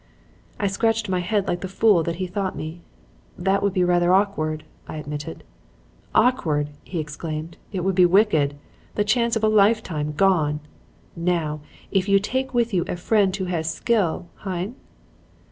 "I scratched my head like the fool that he thought me. 'That would be rather awkward,' I admitted. "'Awkward!' he exclaimed. 'It would be wicked! The chance of a lifetime gone! Now, if you take with you a friend who has skill hein?'